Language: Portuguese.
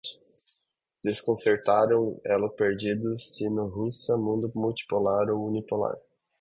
Desconcertaram, elo perdido, sino-russa, mundo multipolar ou unipolar